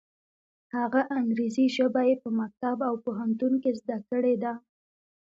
هغه انګریزي ژبه یې په مکتب او پوهنتون کې زده کړې ده.